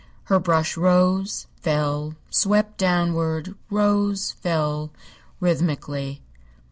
Her brush rose, fell, swept downward, rose, fell, rhythmically.